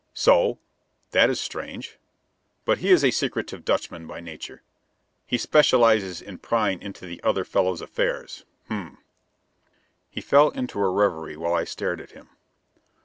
"So? That is strange; but he is a secretive Dutchman by nature. He specializes in prying into the other fellow's affairs. Hm m." He fell into a reverie while I stared at him.